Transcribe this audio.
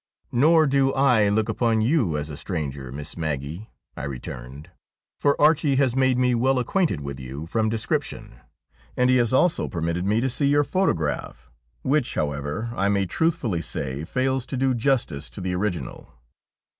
' Nor do I look upon you as a stranger, Miss Maggie,' I returned, ' for Archie has made me well acquainted with you from description, and he has also permitted me to see your photograph, which, however, I may truthfully say, fails to do justice to the original.'